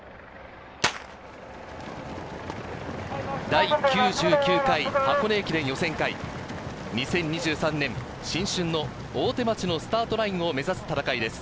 第９９回箱根駅伝予選会、２０２３年、新春の大手町のスタートラインを目指す戦いです。